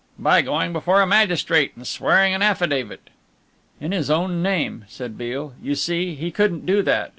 "By going before a magistrate and swearing an affidavit." "In his own name," said Beale, "you see, he couldn't do that.